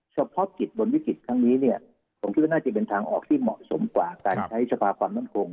เฉพาะกิจบนวิกฤตครั้งนี้เนี่ยผมคิดว่าน่าจะเป็นทางออกที่เหมาะสมกว่าการใช้สภาความมั่นคง